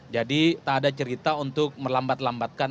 jadi tak ada cerita untuk melambat lambatkan